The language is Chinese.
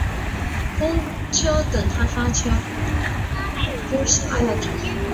公车等他发车